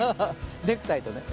ネクタイとね。